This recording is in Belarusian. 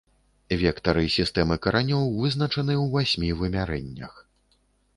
Вектары сістэмы каранёў вызначаны ў васьмі вымярэннях.